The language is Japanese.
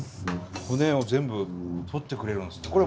骨を全部取ってくれるんですね。